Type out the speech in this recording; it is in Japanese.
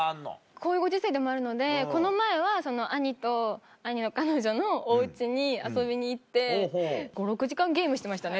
こういうご時世でもあるのでこの前は兄と兄の彼女のお家に遊びに行って５６時間ゲームしてましたね